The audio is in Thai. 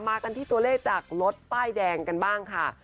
มากันที่ตัวเลขจากรถป้ายแดงกันบ้างค่ะ